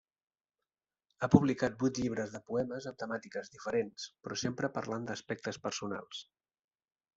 Ha publicat vuit llibres de poemes amb temàtiques diferents però sempre parlant d’aspectes personals.